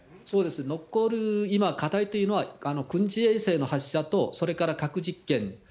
残る今、課題というのは、軍事衛星の発射とそれから核実験。